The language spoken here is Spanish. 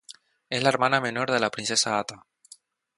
Es la hermana menor de la princesa atta.